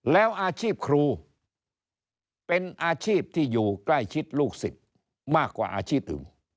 แล้วอาชีพครูเป็นอาชีพที่อยู่ใกล้ชิดลูกศิษย์มากกว่าอาชีพอื่น